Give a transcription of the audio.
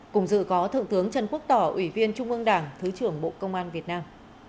cùng dự có thượng tướng trần quốc tỏ ủy viên trung ương đảng thứ trưởng bộ công an việt nam